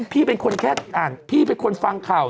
พี่เป็นคนฟังค่าว